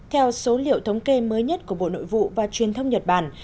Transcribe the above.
theo số liệu thống kê mới nhất của bộ nội vụ và truyền thông nhật bản